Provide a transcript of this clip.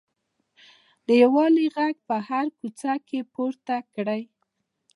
د یووالي غږ په هره کوڅه کې پورته کړئ.